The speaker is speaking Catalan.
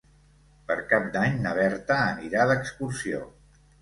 Per Cap d'Any na Berta anirà d'excursió.